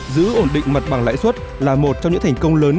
giữ ổn định mặt bằng lãi suất là một trong những thành công lớn